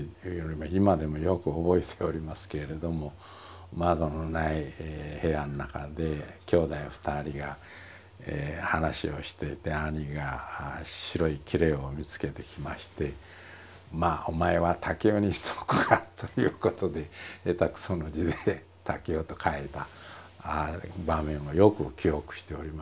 今でもよく覚えておりますけれども窓のない部屋の中で兄弟２人が話をしていて兄が白いきれを見つけてきましてまあお前は「たけお」にしとくかということで下手くその字で「たけお」と書いた場面をよく記憶しておりますね。